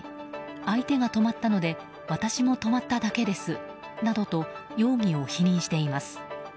相手が止まったので私も止まっただけですなどと容疑を否認しています。